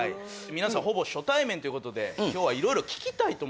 皆さんほぼ初対面ということで今日は色々聞きたいと思うんすよ